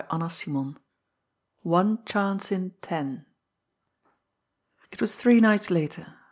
CHAPTER XVI ONE CHANCE IN TEN It was three nights later.